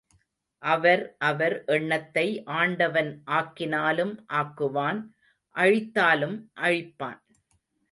அவர் அவர் எண்ணத்தை ஆண்டவன் ஆக்கினாலும் ஆக்குவான் அழித்தாலும் அழிப்பான்.